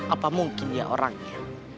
apa mungkin ya orangnya